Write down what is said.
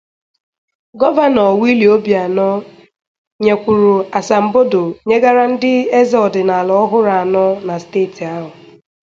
Gọvanọ Willie Obianọ nyekwùrù asambodo nyegara ndị eze ọdịnala ọhụrụ anọ na steeti ahụ.